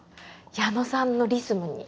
矢野さんのリズムに。